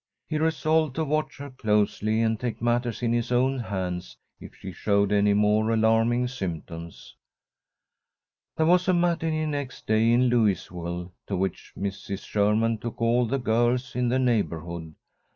He resolved to watch her closely, and take matters in his own hands if she showed any more alarming symptoms. There was a matinée next day in Louisville, to which Mrs. Sherman took all the girls in the neighbourhood.